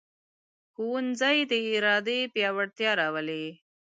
ښوونځی د ارادې پیاوړتیا راولي